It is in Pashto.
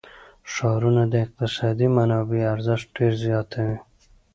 ښارونه د اقتصادي منابعو ارزښت ډېر زیاتوي.